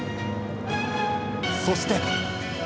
そして。